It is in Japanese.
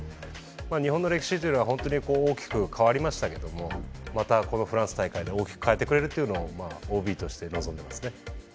日本の歴史というのは本当にこう大きく変わりましたけどもまたこのフランス大会で大きく変えてくれるっていうのをまあＯＢとして望んでますね。